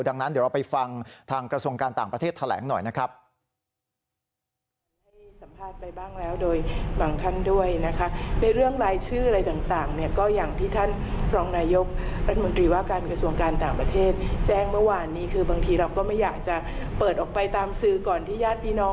ดังนั้นเดี๋ยวเราไปฟังทางกระทรวงการต่างประเทศแถลงหน่อยนะครับ